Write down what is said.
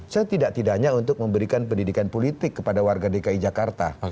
setidak tidaknya untuk memberikan pendidikan politik kepada warga dki jakarta